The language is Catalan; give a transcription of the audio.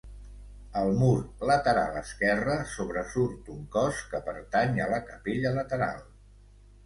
Al mur lateral esquerre sobresurt un cos que pertany a la capella lateral.